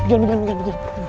kub sentido ini di bagik kap susu